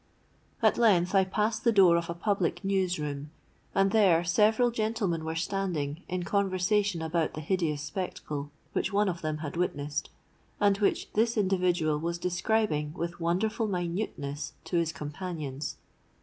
At length I passed the door of a public news room; and there several gentlemen were standing, in conversation about the hideous spectacle, which one of them had witnessed, and which this individual was describing with wonderful minuteness to his companions.